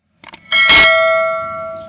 kenapa ini tuh